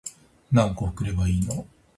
何個送ればいいの